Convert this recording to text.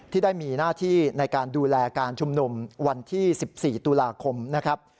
ที่ได้มีหน้าที่ในการดูแลการชุมนุมวันที่๑๔ตุลาคมนะครับ